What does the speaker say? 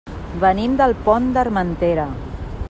Venim del Pont d'Armentera.